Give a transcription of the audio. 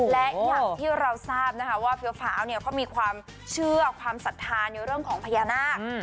และอย่างที่เราทราบนะคะว่าเฟี้ยวฟ้าวเนี่ยเขามีความเชื่อความศรัทธาในเรื่องของพญานาค